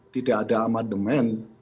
tidak ada amandemen